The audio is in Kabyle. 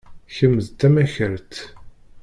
Kemm d tamakart.